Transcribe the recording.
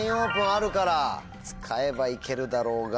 あるから使えばいけるだろうが。